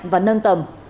và nâng tầm